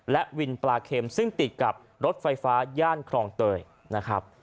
และวินปลาเข็มซึ่งติดกับรถไฟฟ้าย่านครองเตยนะครับ